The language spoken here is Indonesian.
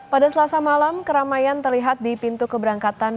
pada selasa malam keramaian terlihat di pintu keberangkatan